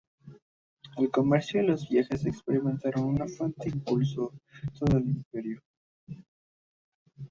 El comercio y los viajes experimentaron un fuerte impulso por todo el Imperio.